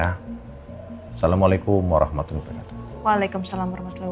assalamualaikum warahmatullahi wabarakatuh waalaikumsalam warahmatullah